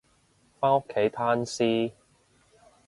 返屋企攤屍